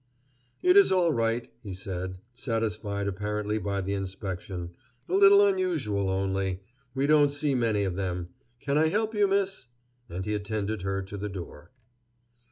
"It is all right," he said, satisfied apparently by the inspection; "a little unusual, only. We don't see many of them. Can I help you, miss?" And he attended her to the door.